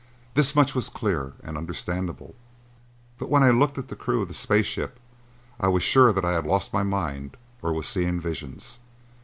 This much was clear and understandable, but when I looked at the crew of that space ship, I was sure that I had lost my mind or was seeing visions.